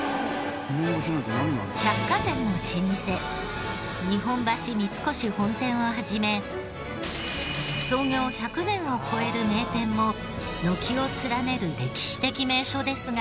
百貨店の老舗日本橋三越本店を始め創業１００年を超える名店も軒を連ねる歴史的名所ですが。